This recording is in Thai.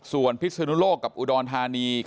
ส่วนพิศนุโลกกับอุดรธานี